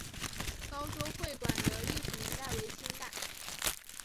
高州会馆的历史年代为清代。